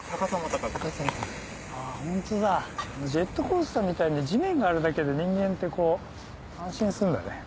ホントだジェットコースターみたいに地面があるだけで人間って安心すんだね。